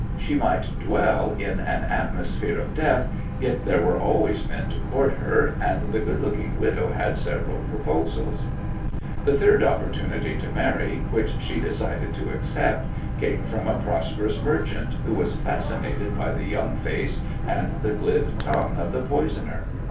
She might dwell in an atmosphere of death, yet there were always men to court her, and the good looking widow had several proposals. The third opportunity to marry, which she decided to accept, came from a prosperous merchant, who was fascinated by the young face and the glib tongue of the poisoner.